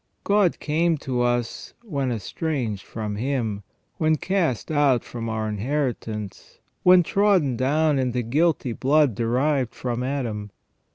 God came to us when estranged from Him, when cast out from our inheritance, when trodden down in the guilty blood derived from Adam.